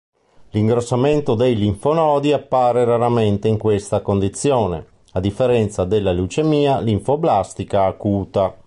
L'ingrossamento dei linfonodi appare raramente in questa condizione, a differenza della leucemia linfoblastica acuta.